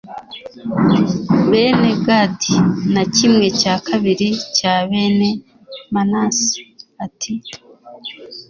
bene gadi, na kimwe cya kabiri cya bene manase, ati